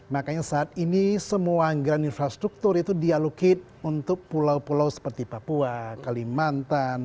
makanya saat ini semua anggaran infrastruktur itu dialokit untuk pulau pulau seperti papua kalimantan